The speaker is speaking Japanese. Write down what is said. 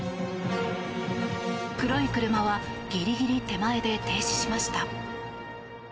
黒い車はギリギリ手前で停止しました。